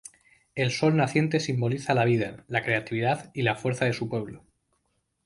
El sol naciente simboliza la vida, la creatividad y la fuerza de su pueblo.